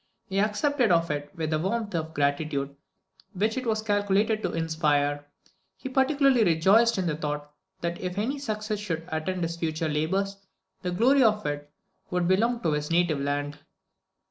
He accepted of it with that warmth of gratitude which it was calculated to inspire; and he particularly rejoiced in the thought that if any success should attend his future labours, the glory of it would belong to his native land.